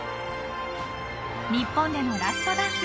日本でのラストダンス。